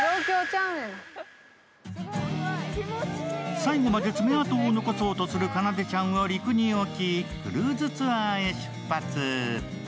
最後まで爪痕を残そうとするかなでちゃんを陸に置き、クルーズツアーへ出発。